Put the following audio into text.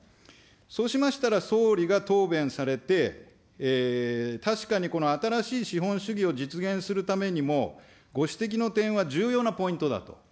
そうしましたら、総理が答弁されて、確かにこの新しい資本主義を実現するためにも、ご指摘の点は重要なポイントだと。